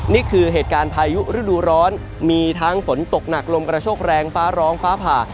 นี่คือเหตุการณ์พายุฤดูร้อนมีทั้งฝนตกหนักลมกระโชคแรงฟ้าร้องฟ้าผ่า